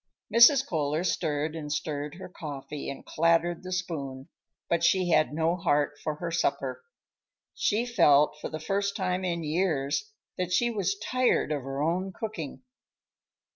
Mrs. Kohler stirred and stirred her coffee and clattered the spoon, but she had no heart for her supper. She felt, for the first time in years, that she was tired of her own cooking.